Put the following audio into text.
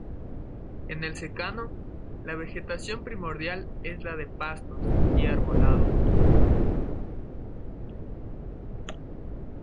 En el secano, la vegetación primordial es la de pastos y arbolado.